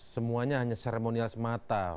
semuanya hanya seremonial semata